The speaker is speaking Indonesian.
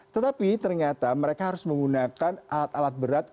tetapi ternyata mereka harus menggunakan alat alat berat